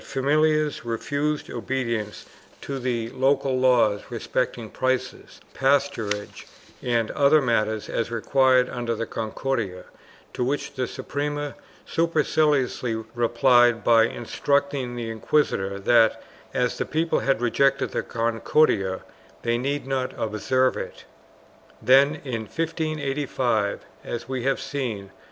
IV] CATALONIA 471 refused obedience to the local laws respecting prices, pasturage and other matters as required under the Concordia, to which the Suprema superciliously replied by instructing the inquisitors that, as the people had rejected the Concordia, they need not observe it.1 Then, in 1585, as we have seen (p.